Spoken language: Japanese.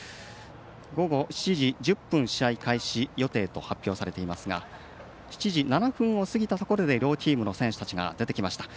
午後７時１０分試合開始予定と発表されていますが７時７分を過ぎたところで両チームの選手が出てきました。